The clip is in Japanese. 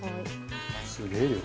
すげえ量。